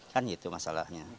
kan itu masalahnya